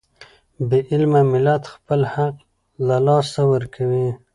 بې علمه ملت خپل حق له لاسه ورکوي.